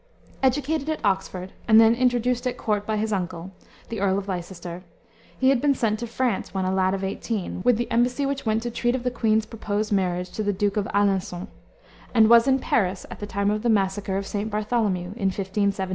Educated at Oxford and then introduced at court by his uncle, the Earl of Leicester, he had been sent to France when a lad of eighteen, with the embassy which went to treat of the queen's proposed marriage to the Duke of Alencon, and was in Paris at the time of the Massacre of St. Bartholomew, in 1572.